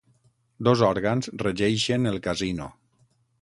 Dos òrgans regeixen el Casino.